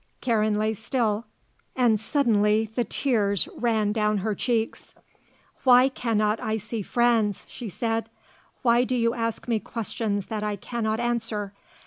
Karen lay still. And suddenly the tears ran down her cheeks. "Why cannot I see Franz?" she said. "Why do you ask me questions that I cannot answer?